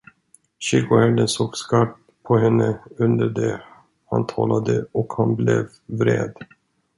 Kyrkoherden såg skarpt på henne, under det han talade, och han blev vred.